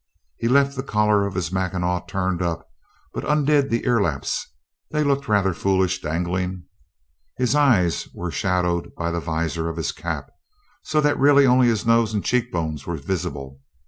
He left the collar of his mackinaw turned up, but untied his ear laps. They looked rather foolish, dangling. His eyes were shadowed by the visor of his cap, so that really only his nose and cheek bones were visible.